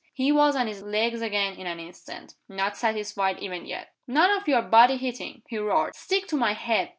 He was on his legs again in an instant not satisfied even yet. "None of your body hitting!" he roared. "Stick to my head.